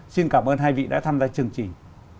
xin cảm ơn hai vị đã tham gia chương trình